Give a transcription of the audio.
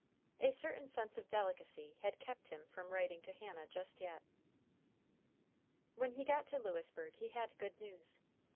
A certain sense of delicacy had kept him from writing to Hannah just yet. When he got to Lewisburg he had good news.